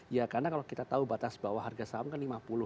ya karena kalau kita tahu batas bawah harga saham kan lima puluh